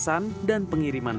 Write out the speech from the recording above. sudah hampir sepuluh tahun